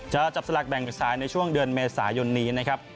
จะจับสลักแบ่งสุดท้ายในช่วงเดือนเมษายนนี้